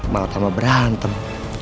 mama sama berantem